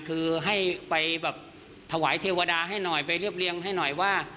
คือให้ไปแบบถวายเทวดาให้หน่อยไปเรียบเรียงให้หน่อยว่า